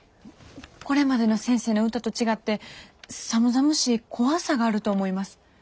これまでの先生の歌と違って寒々しい怖さがあると思います。